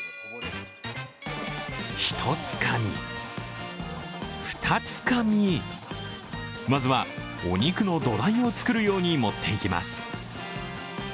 ひとつかみふたつかみまずはお肉の土台を作るように盛っていきます。